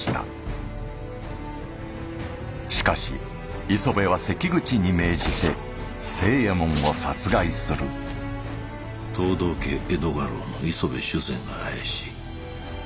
しかし磯部は関口に命じて星右衛門を殺害する藤堂家江戸家老の磯部主膳が怪しい。